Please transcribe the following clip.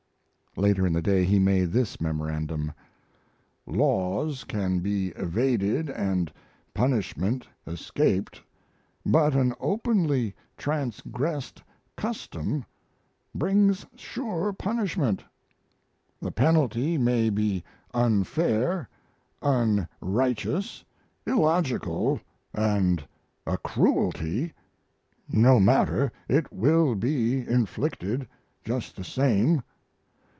Later in the day he made this memorandum: Laws can be evaded and punishment escaped, but an openly transgressed custom brings sure punishment. The penalty may be unfair, unrighteous, illogical, and a cruelty; no matter, it will be inflicted just the same.